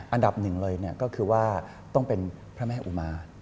อันดับหนึ่งเลยก็คือว่าต้องเป็นพระแม่อุมาร